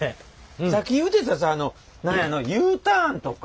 さっき言うてたさあのＵターンとか。